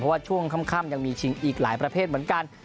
เพราะว่าช่วงค่ำยังมีชิงอีกหลายประเภทเหมือนกัน